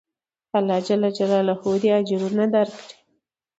خداى دې اجرونه درکي.